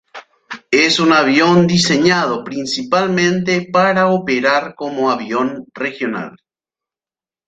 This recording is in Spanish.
Es un avión diseñado principalmente para operar como avión regional.